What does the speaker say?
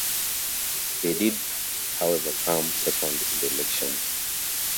They did however come second in the election.